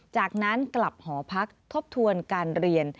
จากนั้นกลับหอพักทบทวนการเรียน